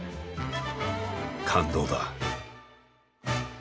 感動だ。